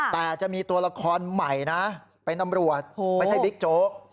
แต่จะมีตัวละครใหม่นะเป็นตำรวจไม่ใช่บิ๊กโจ๊ก